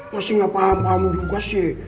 masih gak paham pahamu juga sih